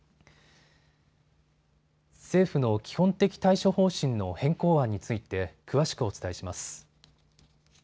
政府の基本的対処方針の変更案について詳しくお伝えします。